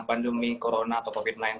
pandemi corona atau covid sembilan belas